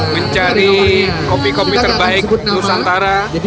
mencari kopi kopi terbaik nusantara